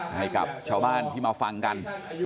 ให้กับชาวบ้านที่มาฟังกัน